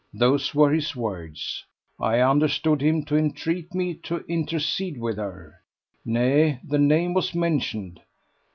Those were his words. I understood him to entreat me to intercede with her. Nay, the name was mentioned.